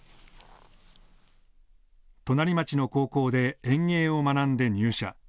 隣町の高校で園芸を学んで入社。